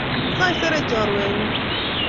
Saisere chorwenyu